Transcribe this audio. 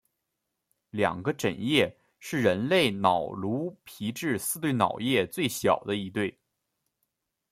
两个枕叶是人类脑颅皮质四对脑叶最小的一对。